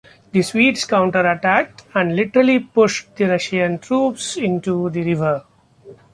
The Swedes counter-attacked and literally pushed the Russian troops into the river.